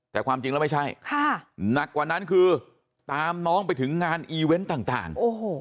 แต่ความจริงแล้วไม่ใช่หนักกว่านั้นคือตามน้องไปถึงงานอีเวนต์ต่าง